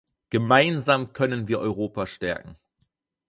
Gemeinsam können wir Europa stärken.